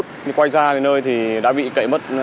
nhưng quay ra đến nơi thì đã bị cậy mất